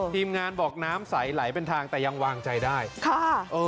ทีมงานบอกน้ำใสไหลเป็นทางแต่ยังวางใจได้ค่ะเออ